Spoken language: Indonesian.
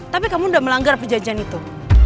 tapi kamu tidak melanggar perjanjian itu